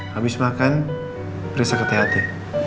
habis makan beres sakit hati